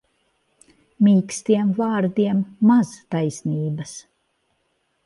Mīkstiem vārdiem maz taisnības.